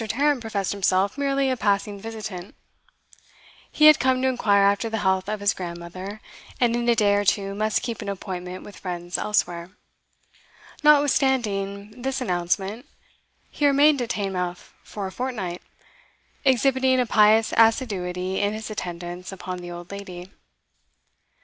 Tarrant professed himself merely a passing visitant; he had come to inquire after the health of his grandmother, and in a day or two must keep an appointment with friends elsewhere. Notwithstanding this announcement, he remained at Teignmouth for a fortnight, exhibiting a pious assiduity in his attendance upon the old lady.